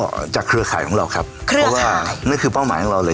ก็จากเครือข่ายของเราครับค่ะเพราะว่านั่นคือเป้าหมายของเราเลย